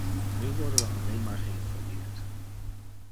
Nu worden we alleen maar geïnformeerd.